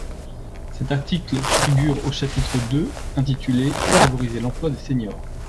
Cet article figure au chapitre deux intitulé, Favoriser l’emploi des seniors.